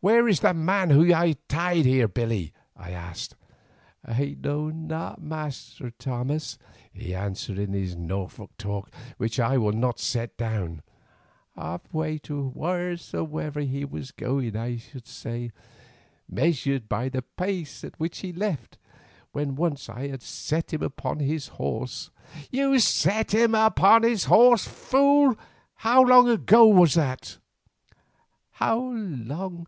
"Where is the man who was tied here, Billy?" I asked. "I know not, Master Thomas," he answered in his Norfolk talk which I will not set down. "Half way to wheresoever he was going I should say, measured by the pace at which he left when once I had set him upon his horse." "You set him on his horse, fool? How long was that ago?" "How long!